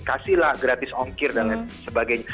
kasihlah gratis ongkir dan lain sebagainya